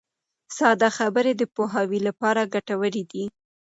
ساده خبرې د پوهاوي لپاره ګټورې دي.